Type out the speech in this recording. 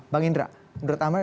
bang indra menurut anda